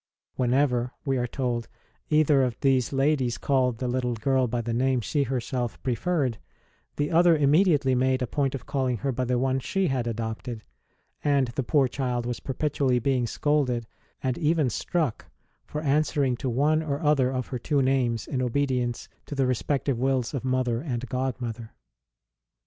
When ever (we are told) either of these ladies called the little girl by the name she herself preferred, the other immediately made a point of calling her by the one she had adopted ; and the poor child was perpetually being scolded, and even struck, for answering to one or other of her two names in 44 ST ROSE OF LIMA obedience to the respective wills of mother and godmother.